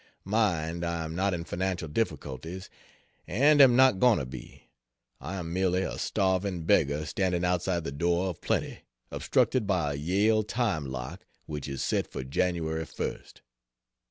Mind, I am not in financial difficulties, and am not going to be. I am merely a starving beggar standing outside the door of plenty obstructed by a Yale time lock which is set for Jan. 1st.